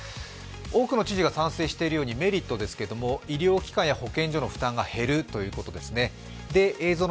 多くの知事が賛成しているようにメリットですけれども、医療機関や保健所の負担が減るということですね。